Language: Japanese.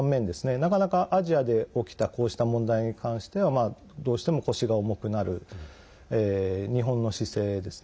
なかなかアジアで起きたこうした問題に関してはどうしても腰が重くなる日本の姿勢ですね。